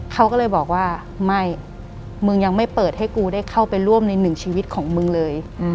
เขาก็เลยบอกว่าไม่มึงยังไม่เปิดให้กูได้เข้าไปร่วมในหนึ่งชีวิตของมึงเลย